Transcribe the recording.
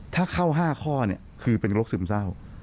ถ้าเข้า๕ข้อคือเป็นโรคซึมเศร้า